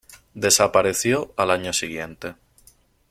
Desapareció al año siguiente.